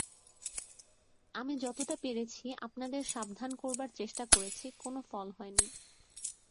আমি যতটা পেরেছি আপনাদের সাবধান করবার চেষ্টা করেছি– কোনো ফল হয় নি।